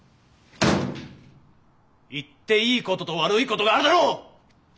言っていいことと悪いことがあるだろ！